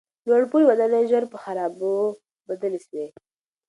لوړپوړي ودانۍ ژر په خرابو بدلې سوې.